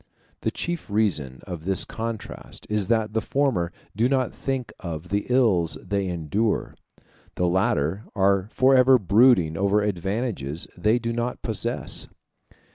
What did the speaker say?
The chief reason of this contrast is that the former do not think of the ills they endure the latter are forever brooding over advantages they do not possess.